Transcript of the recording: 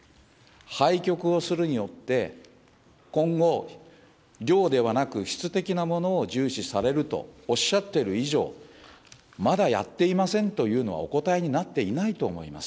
廃局をするによって、今後、量ではなく質的なものを重視されるとおっしゃってる以上、まだやっていませんというのは、お答えになっていないと思います。